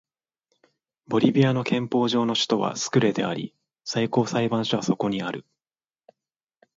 ボリビアの憲法上の首都はスクレであり最高裁判所はそこにある